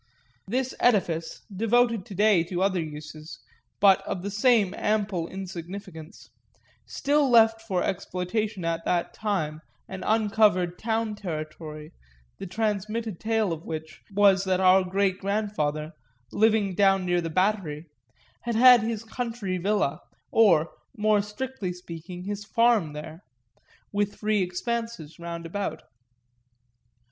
This edifice, devoted to day to other uses, but of the same ample insignificance, still left for exploitation at that time an uncovered town territory the transmitted tale of which was that our greatgrandfather, living down near the Battery, had had his country villa or, more strictly speaking, his farm there, with free expanses roundabout.